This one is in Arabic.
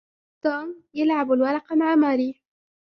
توم يلعب الورق مع ماري.